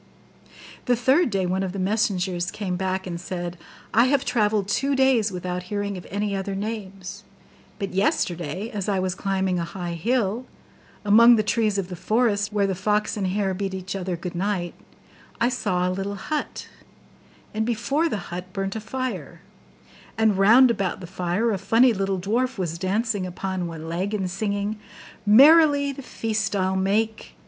The third day one of the messengers came back, and said, 'I have travelled two days without hearing of any other names; but yesterday, as I was climbing a high hill, among the trees of the forest where the fox and the hare bid each other good night, I saw a little hut; and before the hut burnt a fire; and round about the fire a funny little dwarf was dancing upon one leg, and singing: "Merrily the feast I'll make.